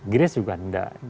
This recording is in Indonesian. gires juga tidak